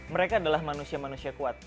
mereka adalah manusia manusia kuat